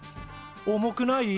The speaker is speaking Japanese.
重くない？